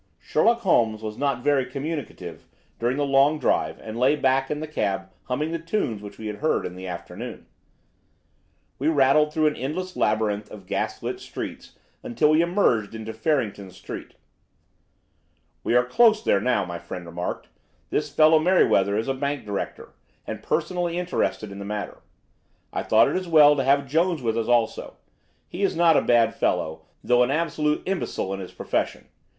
Sherlock Holmes was not very communicative during the long drive and lay back in the cab humming the tunes which he had heard in the afternoon. We rattled through an endless labyrinth of gas lit streets until we emerged into Farrington Street. "We are close there now," my friend remarked. "This fellow Merryweather is a bank director, and personally interested in the matter. I thought it as well to have Jones with us also. He is not a bad fellow, though an absolute imbecile in his profession.